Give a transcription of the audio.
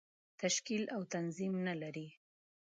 تشکیل او تنظیم نه لري.